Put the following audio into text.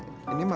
aku mau ke rumah